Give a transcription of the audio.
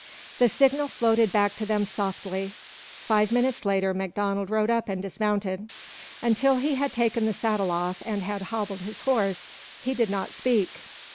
The signal floated back to them softly. Five minutes later MacDonald rode up and dismounted. Until he had taken the saddle off, and had hobbled his horse, he did not speak.